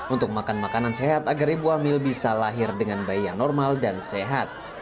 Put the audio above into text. untuk makan makanan sehat agar ibu hamil bisa lahir dengan bayi yang normal dan sehat